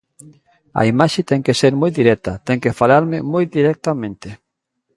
A imaxe ten que ser moi directa, ten que falarme moi directamente.